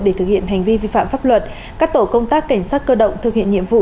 để thực hiện hành vi vi phạm pháp luật các tổ công tác cảnh sát cơ động thực hiện nhiệm vụ